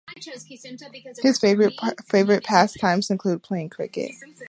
His favourite past times include playing cricket.